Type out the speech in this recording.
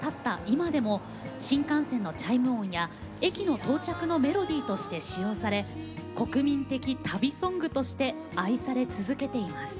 今でも新幹線のチャイム音や駅の到着のメロディーとして使用され国民的旅ソングとして愛され続けています。